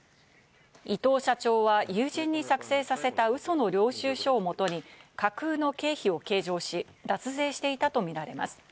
伊藤社長が友人に作成させたウソの領収証をもとに架空の経費を計上し、脱税していたとみられます。